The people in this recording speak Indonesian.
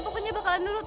pokoknya bakalan lulut